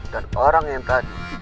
dan orang yang tadi